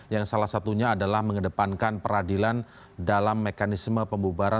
yang salah satunya adalah mengedepankan peradilan dalam mekanisme pembubaran